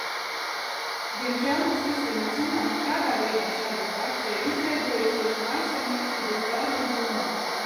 Diemžēl mums visiem ir zināms, kādā veidā šāda prakse ir izveidojusies mājsaimniecības darbu jomā.